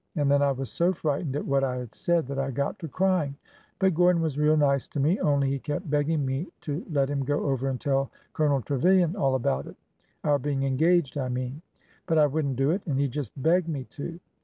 And then I was so frightened at what I had said that I got to crying. But Gordon was real nice to me, only he kept begging me to let him go over and tell Colo nel Trevilian all about it — our being engaged, I mean. But I would n't do it— and he just begged me, too.